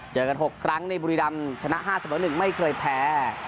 เจอกันหกครั้งในบุรีดำชนะห้าสมัยหนึ่งไม่เคยแพ้